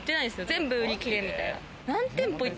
全部売り切れみたいな。